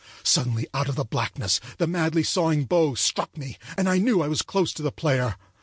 Suddenly out of the blackness the madly sawing bow struck me, and I knew I was close to the player.